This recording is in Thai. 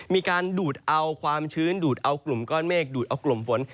มีการดูดเอาความชื้นดูดเอากลุ่มก้อนเมฆดูดเอากลุ่มฝน